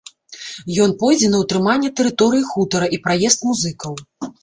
Ён пойдзе на ўтрыманне тэрыторыі хутара і праезд музыкаў.